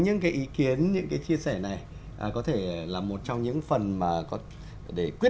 năm nay thì em tìm được một cái quán cà phê ở tầng sáu